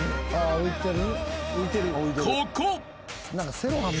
浮いてる。